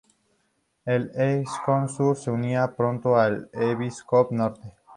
El Evryscope-Sur se unirá pronto al Evryscope-Norte.